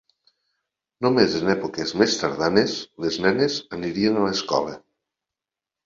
Només en èpoques més tardanes les nenes anirien a l'escola.